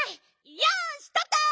よしとった！